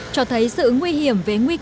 cho thấy sự nguy hiểm với nguy cơ